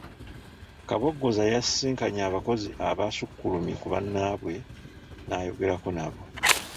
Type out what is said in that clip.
Kabogoza yasisinkanye abakozi abasukkulumye ku bannaabwe n'ayogerako nabo.